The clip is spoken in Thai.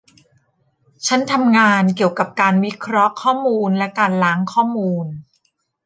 ฉันทำงานเกี่ยวกับการวิเคราะห์ข้อมูลและการล้างข้อมูล